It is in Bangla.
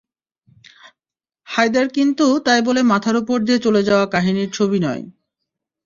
হায়দার কিন্তু তাই বলে মাথার ওপর দিয়ে চলে যাওয়া কাহিনির ছবি নয়।